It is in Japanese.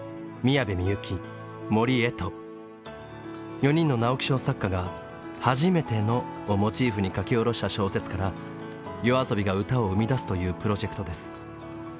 ４人の直木賞作家が「はじめての」をモチーフに書き下ろした小説からＹＯＡＳＯＢＩが歌を生み出すというプロジェクトです。